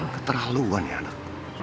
keterlaluan ya anak